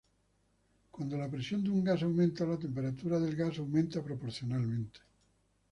Cuando la presión de un gas aumenta, la temperatura del gas aumenta proporcionalmente.